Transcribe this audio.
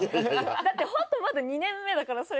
だってホントまだ２年目だからそれこそ。